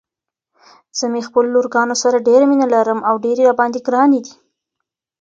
زه مې خپلو لورګانو سره ډيره مينه لرم او ډيرې راباندې ګرانې دي.